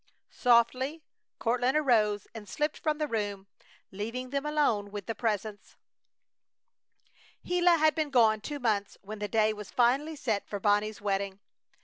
Softly Courtland arose and slipped from the room, leaving them alone with the Presence. Gila had been gone two months when the day was finally set for Bonnie's wedding.